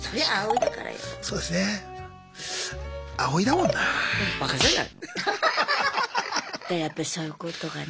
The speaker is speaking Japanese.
だからやっぱりそういうことがね。